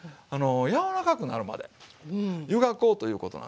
柔らかくなるまで湯がこうということなんですよ。